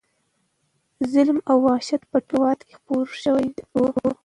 ظلم او وحشت په ټول هېواد کې خپور شوی و.